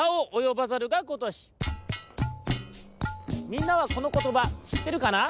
みんなはこのことばしってるかな？